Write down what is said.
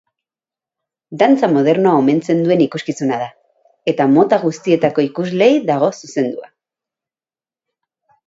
Dantza modernoa omentzen duen ikuskizuna da, eta mota guztietako ikusleei dago zuzenduta.